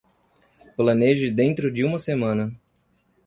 Planeje dentro de uma semana